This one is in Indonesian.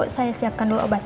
saya siapkan dulu obatnya